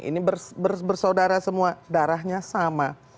ini bersaudara semua darahnya sama